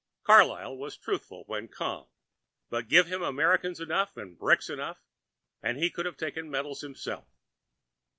Carlyle was truthful when calm, but give him Americans enough and bricks enough and he could have taken medals himself.